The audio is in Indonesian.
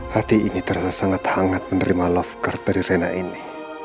hati ini terasa sangat hangat menerima love card dari rena ini